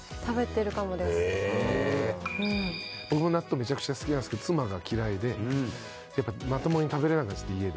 僕も納豆めちゃくちゃ好きなんですけど妻が嫌いでまともに食べれなくなっちゃって家で。